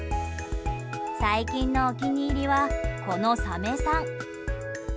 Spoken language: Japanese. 最近のお気に入りはこのサメさん。